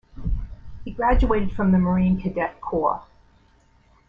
He graduated from the Marine Cadet Corps.